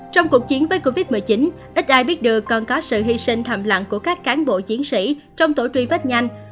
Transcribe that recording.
trong cuộc chiến với covid một mươi chín ít ai biết được còn có sự hy sinh thầm lặng của các cán bộ chiến sĩ trong tổ truy vết nhanh